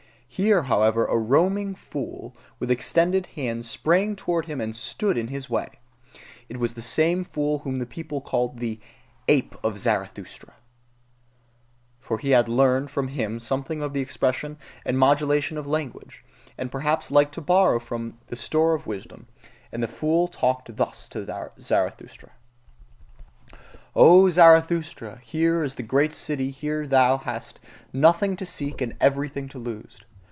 Here, however, a foaming fool, with extended hands, sprang forward to him and stood in his way. It was the same fool whom the people called "the ape of Zarathustra:" for he had learned from him something of the expression and modulation of language, and perhaps liked also to borrow from the store of his wisdom. And the fool talked thus to Zarathustra: O Zarathustra, here is the great city: here hast thou nothing to seek and everything to lose.